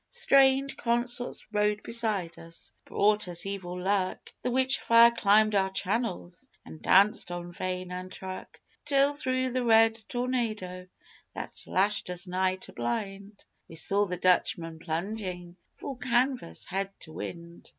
Strange consorts rode beside us And brought us evil luck; The witch fire climbed our channels, And danced on vane and truck: Till, through the red tornado, That lashed us nigh to blind, We saw The Dutchman plunging, Full canvas, head to wind!